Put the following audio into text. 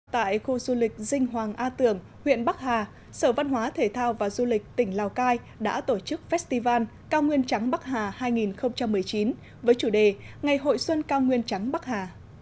tại khu du lịch dinh hoàng a tưởng huyện bắc hà sở văn hóa thể thao và du lịch tỉnh lào cai đã tổ chức festival cao nguyên trắng bắc hà hai nghìn một mươi chín với chủ đề ngày hội xuân cao nguyên trắng bắc hà